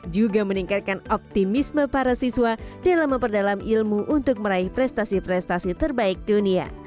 juga meningkatkan optimisme para siswa dalam memperdalam ilmu untuk meraih prestasi prestasi terbaik dunia